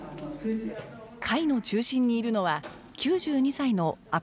会の中心にいるのは９２歳の赤松良子さん